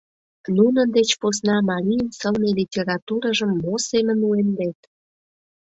Нунын деч посна марийын сылне литературыжым мо семын уэмдет?